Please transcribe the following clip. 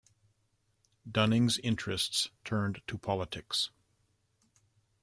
Dunning's interests turned to politics.